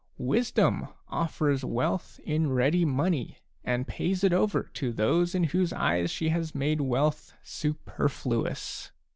Wisdom offers wealth in ready money, and pays it over to those in whose eyes she has made wealth superfluous."